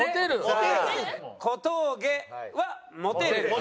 「小峠はモテる」。